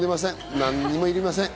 何もいりません。